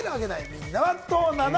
みんなはどうなの？